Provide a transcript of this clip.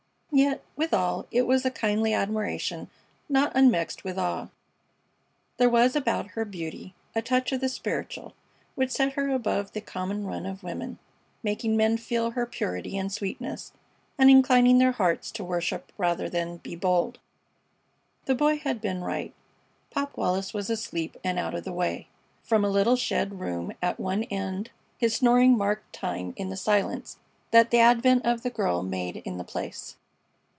Yet withal it was a kindly admiration not unmixed with awe. For there was about her beauty a touch of the spiritual which set her above the common run of women, making men feel her purity and sweetness, and inclining their hearts to worship rather than be bold. The Boy had been right. Pop Wallis was asleep and out of the way. From a little shed room at one end his snoring marked time in the silence that the advent of the girl made in the place.